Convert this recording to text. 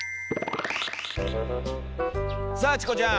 さあチコちゃん！